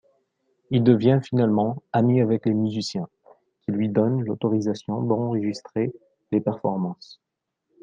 Il devient finalement ami avec les musiciens, qui lui donnent l'autorisation d'enregistrer les performances.